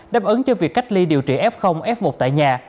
đáp ứng cho việc cách ly điều trị f f một tại nhà